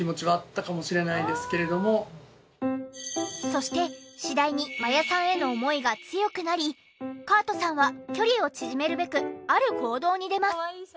そして次第に真矢さんへの思いが強くなりカートさんは距離を縮めるべくある行動に出ます。